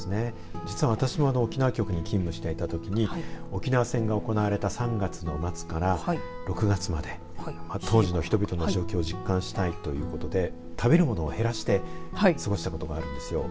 実は私も沖縄局に勤務していたときに沖縄戦が行われた３月の末から６月まで当時の人々の状況を実感したいということで食べるものを減らして過ごしたことがあるんですよ。